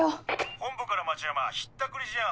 本部から町山ひったくり事案発生。